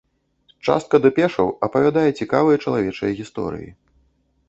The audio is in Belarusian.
Частка дэпешаў апавядае цікавыя чалавечыя гісторыі.